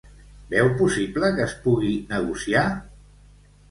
Veu possible que es pugui negociar?